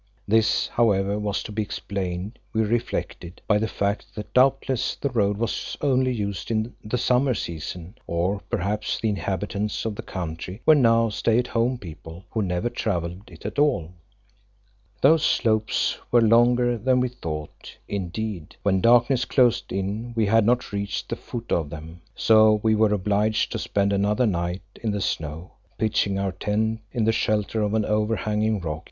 This, however, was to be explained, we reflected, by the fact that doubtless the road was only used in the summer season. Or perhaps the inhabitants of the country were now stay at home people who never travelled it at all. Those slopes were longer than we thought; indeed, when darkness closed in we had not reached the foot of them. So we were obliged to spend another night in the snow, pitching our tent in the shelter of an over hanging rock.